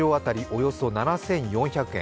およそ７４００円。